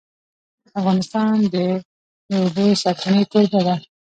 افغانستان د د اوبو سرچینې کوربه دی.